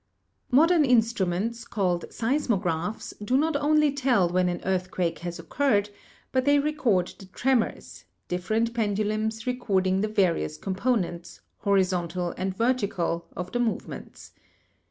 Modern instruments, called seismographs, do not only tell when an earthquake has occurred, but they record the tremors, different pendulums recording the various components, horizontal and vertical, of the movements.